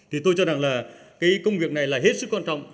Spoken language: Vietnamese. thì tôi cho rằng là cái công việc này là hết sức quan trọng